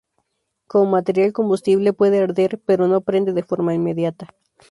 Como material combustible puede arder, pero no prende de forma inmediata.